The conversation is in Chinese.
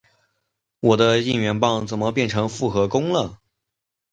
我的应援棒怎么变成复合弓了？